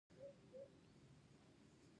آیا سي او سه پل په اصفهان کې نه دی؟